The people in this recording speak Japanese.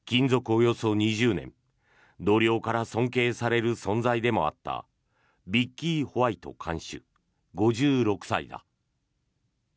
およそ２０年同僚から尊敬される存在でもあったビッキー・ホワイト看守５６歳だ。